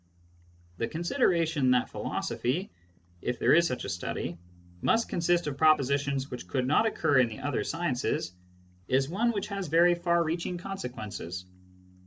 The consideration that philosophy, if there is such a study, must consist of propositions which could not occur in the other sciences, is one which has very far reaching consequences.